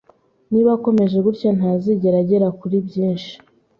Niba akomeje gutya, ntazigera agera kuri byinshi.